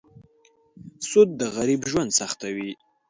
سود د غریب ژوند سختوي.